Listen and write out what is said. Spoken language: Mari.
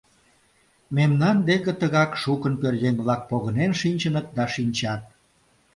— Мемнан деке тыгак шукын пӧръеҥ-влак погынен шинчыныт да шинчат.